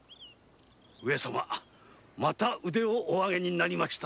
上様また腕をお上げになりましたのう。